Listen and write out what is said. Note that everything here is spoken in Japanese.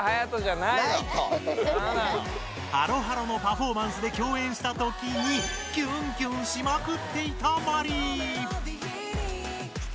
ＨＡＬＯ！」のパフォーマンスできょうえんしたときにキュンキュンしまくっていたマリイ。